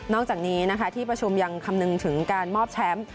อกจากนี้นะคะที่ประชุมยังคำนึงถึงการมอบแชมป์